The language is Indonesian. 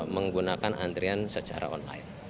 menggunakan antrian secara online